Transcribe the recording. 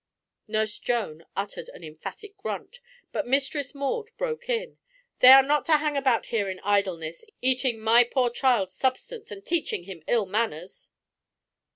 Nurse Joan uttered an emphatic grunt, but Mistress Maud broke in, "They are not to hang about here in idleness, eating my poor child's substance, and teaching him ill manners."